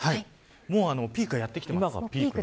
ピークがやってきています。